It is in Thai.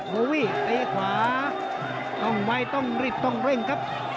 โบวี่ตีขวาต้องไว้ต้องรีบต้องเร่งครับ